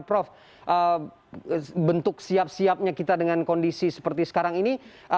prof bentuk siap siapnya kita dengan kondisi seperti sekarang ini